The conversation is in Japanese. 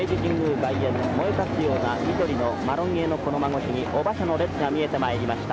外苑もえたつような緑のマロニエの木の間越しに御馬車の列が見えてまいりました」。